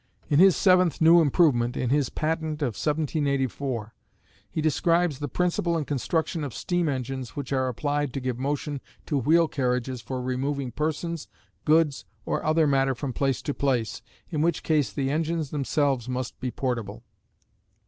In his seventh "new improvement," in his patent of 1784, he describes "the principle and construction of steam engines which are applied to give motion to wheel carriages for removing persons, goods, or other matter from place to place, in which case the engines themselves must be portable."